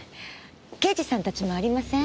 刑事さんたちもありません？